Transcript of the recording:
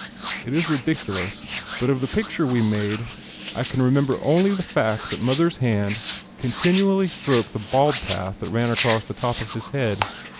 It is ridiculous, but of the picture we made I can remember only the fact that mother's hand continually stroked the bald path that ran across the top of his head.